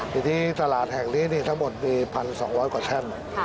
ทีนี้ตลาดแห่งนี้ทั้งหมดมี๑๒๐๐กว่าแท่น